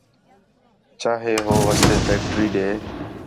چا ہے ہو واسطے فیکٹری ݙے